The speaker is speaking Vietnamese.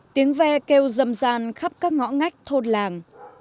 tiếng ve kêu râm gian khắp các ngõ ngách thôn làng